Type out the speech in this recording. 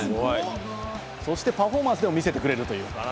そしてパフォーマンスでも見せてくれるという。